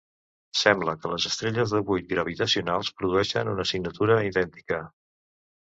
Sembla que les estrelles de buit gravitacionals produeixen una signatura idèntica.